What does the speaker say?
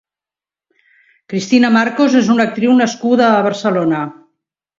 Cristina Marcos és una actriu nascuda a Barcelona.